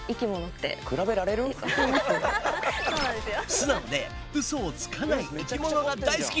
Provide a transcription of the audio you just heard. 素直でウソをつかない生き物が大好き！